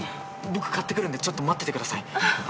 僕買ってくるんでちょっと待っててください。